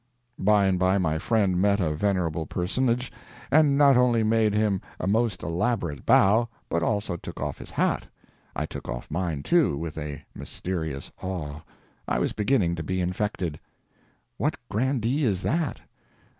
By and by my friend met a venerable personage, and not only made him a most elaborate bow, but also took off his hat. I took off mine, too, with a mysterious awe. I was beginning to be infected. "What grandee is that?"